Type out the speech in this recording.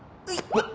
うわっ。